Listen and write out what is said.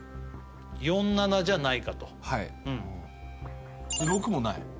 ４か７４７じゃないかとはい６もない？